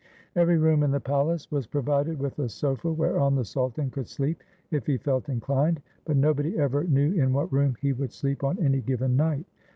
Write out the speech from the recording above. Every room in the palace was provided with a sofa whereon the sultan could sleep if he felt inclined; but nobody ever knew in what room he would sleep on any given night.